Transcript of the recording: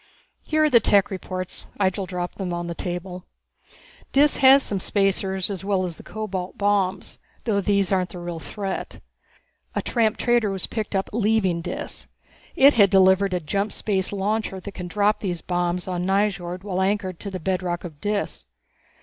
"Here are the tech reports." Ihjel dropped them on the table. "Dis has some spacers as well as the cobalt bombs though these aren't the real threat. A tramp trader was picked up leaving Dis. It had delivered a jump space launcher that can drop those bombs on Nyjord while anchored to the bedrock of Dis.